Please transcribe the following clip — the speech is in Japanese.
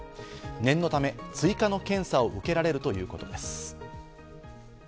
念のため、追加の検査を受けられるということです。